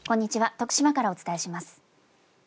徳島からお伝えします。